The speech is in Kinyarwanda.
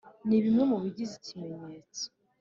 ni bimwe mu bigize ‘ikimenyetso’